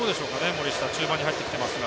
森下、中盤に入ってきてますが。